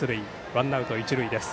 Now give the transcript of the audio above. ワンアウト、一塁です。